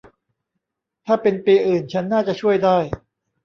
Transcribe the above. ถ้าเป็นปีอื่นฉันน่าจะช่วยได้